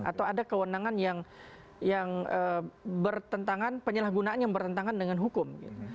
atau ada kewenangan yang bertentangan penyalahgunaan yang bertentangan dengan hukum